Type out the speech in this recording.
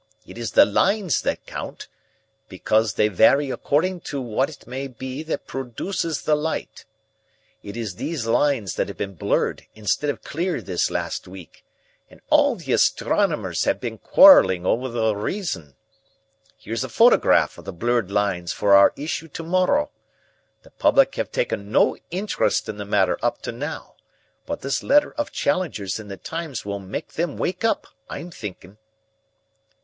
It is the lines that count, because they vary according to what it may be that produces the light. It is these lines that have been blurred instead of clear this last week, and all the astronomers have been quarreling over the reason. Here's a photograph of the blurred lines for our issue to morrow. The public have taken no interest in the matter up to now, but this letter of Challenger's in the Times will make them wake up, I'm thinking."